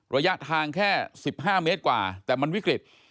ระยะทางแค่๑๕เมตรกว่าแต่มันวิกฤต